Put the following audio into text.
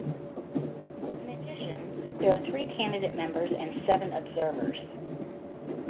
In addition, there are three candidate members and seven observers.